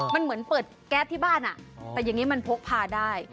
มันเหมือนเปิดแก๊สที่บ้านแต่อย่างนี้มันพกพาได้